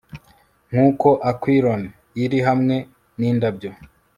nkuko aquilon iri hamwe nindabyo